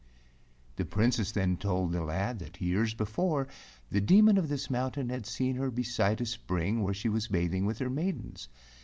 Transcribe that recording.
The Princess then told the lad that years be¬ fore the Demon of this mountain had seen her beside a spring where she was bathing with her maidens.